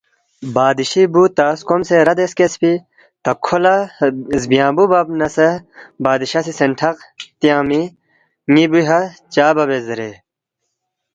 بادشی بوُ تا سکومسے ردے سکیسفی، تا کھو لہ زبیانگبوُ بب نہ سہ بادشاہ سی سینٹھق تیانگمی، ن٘ی بُوی کھہ چا بَبے زیرے